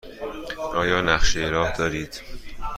آیا نقشه راه دارید؟